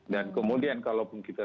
dan kemudian kalaupun kita